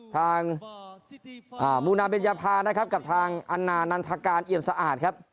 ทางมูนาเบญญาภานะครับกับทางอันนานันทการเอี่ยมสะอาดครับ